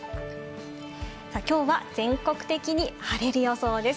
今日は全国的に晴れる予想です。